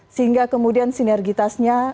sehingga kemudian sinergitasnya